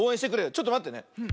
ちょっとまってね。